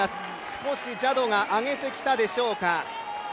少しジャドが上げてきたでしょうか。